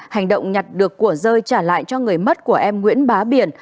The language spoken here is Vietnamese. hành động nhặt được của rơi trả lại cho người mất của em nguyễn bá biển